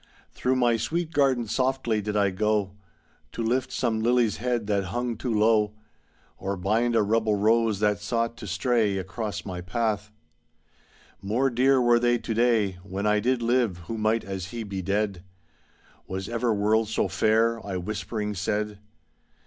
Through my sweet garden softly did I go To lift some lily's hesui that hung too low. Or bind a rebel rose that sought to stray Across my path. More dear were they to day When I did live who might as he be dead. Was ever world so fair,'* I whisp'ring said.